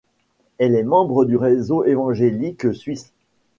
Elle est membre du Réseau évangélique suisse.